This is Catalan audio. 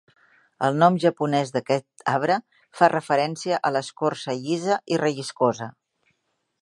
El nom japonès d'aquest arbre fa referència a l'escorça llisa i relliscosa.